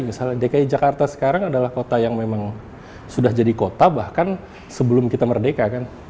misalnya dki jakarta sekarang adalah kota yang memang sudah jadi kota bahkan sebelum kita merdeka kan